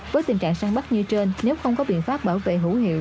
với tình trạng săn bắt như trên nếu không có biện pháp bảo vệ hữu hiệu